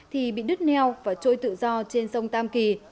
thì bị đứt neo và trôi tự do trên sông tam kỳ